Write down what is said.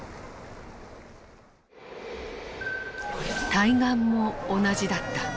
対岸も同じだった。